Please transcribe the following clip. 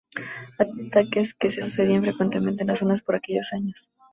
Ataques que se sucedían frecuentemente en la zona por aquellos años.